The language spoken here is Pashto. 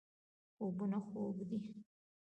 خوبونه خوږ دي.